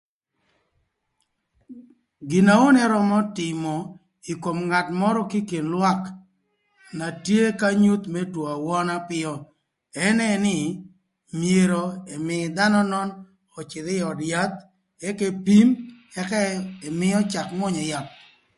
Gin na onu ërömö tïmö ï kom ngat mörö kï kin lwak na tye k'anyut më two awöna öpïö ënë nï myero ëmïï dhanö nön öcïdhï ï öd yath ëk epim ëka ëmïï öcak mwönyö yath.